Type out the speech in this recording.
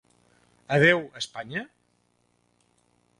Adéu, Espanya?